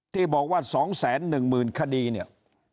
ที่บอกว่า๒แสน๑หมื่นคดีเนี่ย